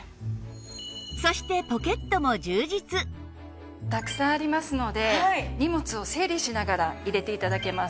そしてたくさんありますので荷物を整理しながら入れて頂けます。